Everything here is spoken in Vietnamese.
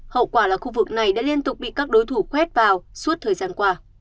hậu quả là khu vực này đã liên tục bị các đối thủ khoét vào suốt thời gian qua